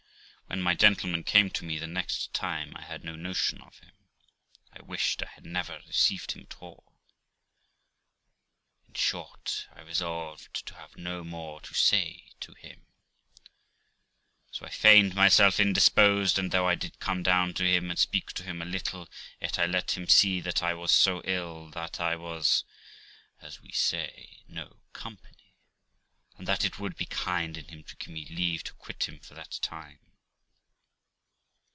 When my gentleman came to me the next time I had no notion of him j I wished I had never received him at all. In short, I resolved to have no more to say to him, so I feigned myself indisposed ; and, though I did come down to him and speak to him a little, yet I let him see that I was so ill that I was (as we say) no company, and that it would be kind in him to give me leave to quit him for that time.